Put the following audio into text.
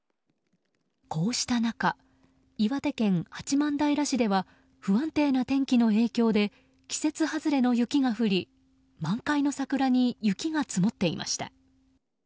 こうした中、岩手県八幡平市では不安定な天気の影響で季節外れの雪が降り満開の桜に雪が積もっていました。